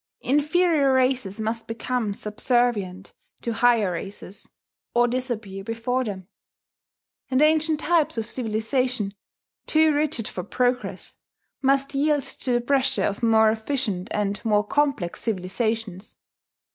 Inferior races must become subservient to higher races, or disappear before them; and ancient types of civilization, too rigid for progress, must yield to the pressure of more efficient and more complex civilizations.